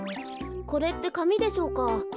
これってかみでしょうか？